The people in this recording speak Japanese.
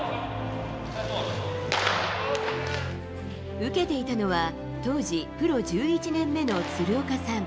受けていたのは、当時、プロ１１年目の鶴岡さん。